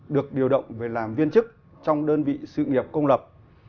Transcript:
được điều động về làm viên chức trong đơn vị sự nghiệp công lập